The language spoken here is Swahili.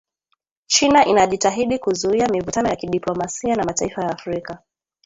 China inajitahidi kuzuia mivutano ya kidiplomasia na mataifa ya Afrika